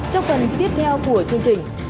trong phần tiếp theo của chương trình